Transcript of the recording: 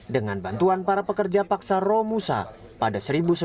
dengan bantuan para pekerja paksa romusa pada seribu sembilan ratus sembilan puluh